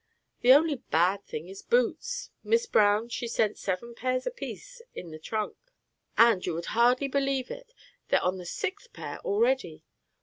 The only bad things is boots. Miss' Brown, she sent seven pairs apiece in the trunk, and, you would hardly believe it, they're on the sixth pair already.